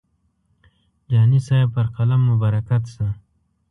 جهاني صاحب پر قلم مو برکت شه.